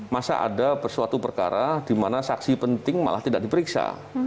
masa ada suatu perkara di mana saksi penting malah tidak diperiksa